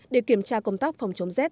để kiểm tra công tác phòng chống z